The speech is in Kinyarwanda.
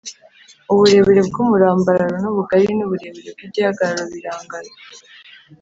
uburebure bw’umurambararo n’ubugari n’uburebure bw’igihagararo birangana.